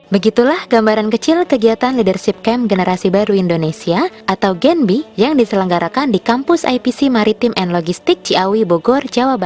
ketika keberagaman diwujudkan dalam kebersamaan maka yang terjadi adalah semangat kebersatan